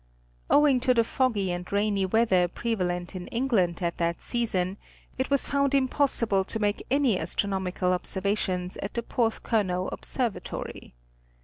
Owing to the foggy and rainy weather prevalent in England at that season, it was found impossible to make any astronomical observations at the Porth curnow observatory.